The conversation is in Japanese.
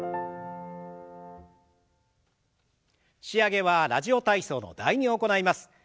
仕上げは「ラジオ体操」の「第２」を行います。